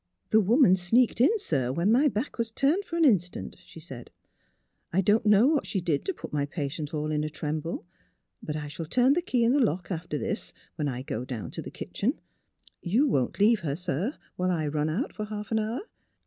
" The woman sneaked in, sir, when my back was turned for an instant," she said. " I don't know what she did to put my patient all in a NEIGHBORS 65 tremble ; but I shall turn the key in the lock after this when I go down to the kitchen. ... You won't leave her, sir, while I run out for half an hour?